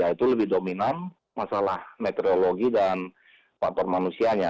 itu lebih dominan masalah meteorologi dan faktor manusianya